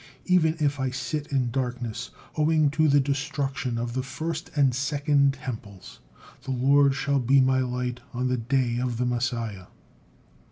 Even if I sit in darkness owing to the destruction of the first and second Temples, the Lord shall be my light on the day of the Messiah."